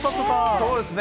そうですね。